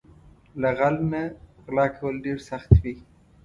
له غل نه غلا کول ډېر سخت وي